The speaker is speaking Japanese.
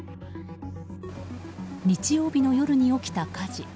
日曜日の夜に起きた火事。